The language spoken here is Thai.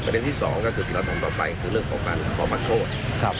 ประเด็นที่สองก็คือสิ่งทำต่อไปคือเรื่องขอค้าขอพักโทษครับ